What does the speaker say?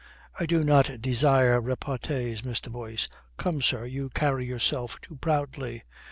"I do not desire repartees, Mr. Boyce. Come, sir, you carry yourself too proudly.